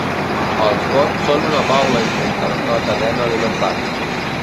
Els bots són una baula important de la cadena alimentària.